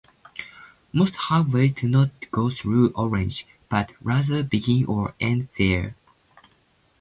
Most highways do not go through Orange but rather begin or end there.